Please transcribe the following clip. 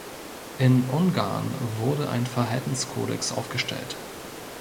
In Ungarn wurde ein Verhaltenskodex aufgestellt.